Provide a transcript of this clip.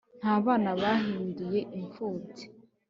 nta bana bahinduye impfubyi